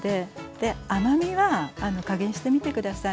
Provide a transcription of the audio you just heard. で甘みは加減してみて下さい。